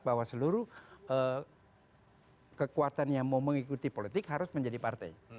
bahwa seluruh kekuatan yang mau mengikuti politik harus menjadi partai